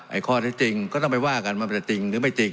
ข้อที่จริงก็ต้องไปว่ากันว่ามันจะจริงหรือไม่จริง